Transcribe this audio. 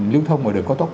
lưu thông ở đường cao tốc